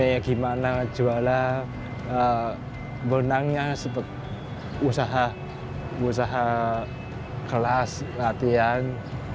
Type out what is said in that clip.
saya ingin mencoba untuk menjual benangnya untuk usaha kelas latihan